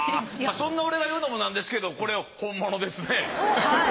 そんな俺が言うのもなんですけどこれ本物ですね。